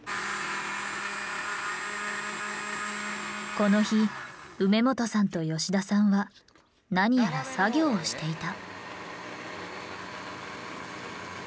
この日梅元さんと吉田さんは何やら作業をしていた。